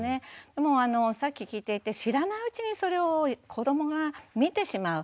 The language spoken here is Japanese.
でもさっき聞いていて知らないうちにそれを子どもが見てしまう。